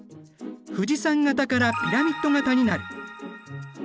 富士山型からピラミッド型になる。